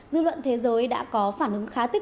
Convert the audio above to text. dư luận thế giới đã có phản bố